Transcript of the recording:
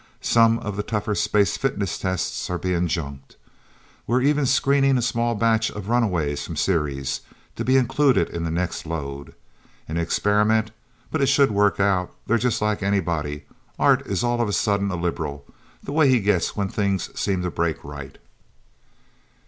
Some of the tougher space fitness tests are being junked. We're even screening a small batch of runaways from Ceres to be included in the next load. An experiment. But it should work out. They're just like anybody... Art is all of sudden sort of liberal the way he gets when things seem to break right."